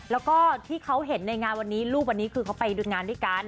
แล้วก็ที่เขาเห็นในงานวันนี้รูปวันนี้คือเขาไปดูงานด้วยกัน